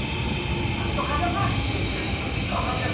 「なんとかだな！」って言ってる人たち？